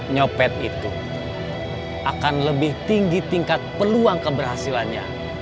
nyopet itu akan lebih tinggi tingkat peluang keberhasilannya